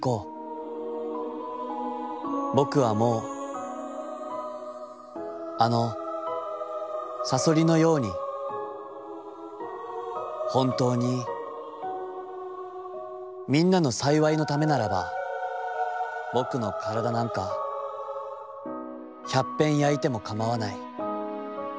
僕はもうあのさそりのやうにほんたうにみんなの幸のためならば僕のからだなんか百ぺん灼いてもかまはない』。